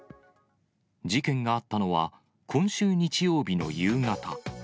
事件があったのは、今週日曜日の夕方。